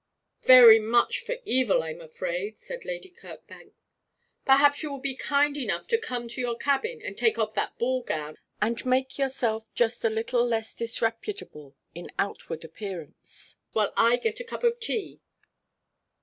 'Very much for evil, I'm afraid,' said Lady Kirkbank. 'Perhaps you will be kind enough to come to your cabin and take off that ball gown, and make yourself just a little less disreputable in outward appearance, while I get a cup of tea.'